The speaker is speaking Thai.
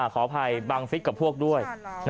ขออภัยบังฟิศกับพวกด้วย